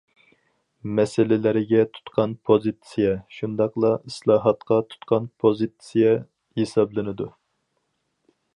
مەسىلىلەرگە تۇتقان پوزىتسىيە، شۇنداقلا ئىسلاھاتقا تۇتقان پوزىتسىيە ھېسابلىنىدۇ.